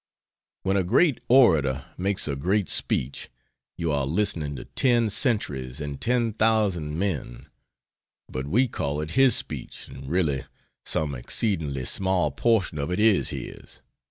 When a great orator makes a great speech you are listening to ten centuries and ten thousand men but we call it his speech, and really some exceedingly small portion of it is his.